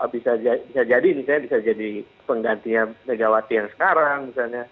bisa jadi misalnya bisa jadi penggantinya negawati yang sekarang